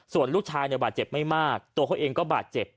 ส่วนลูกชายเนี่ยบาดเจ็บไม่มากตัวเขาเองก็บาดเจ็บ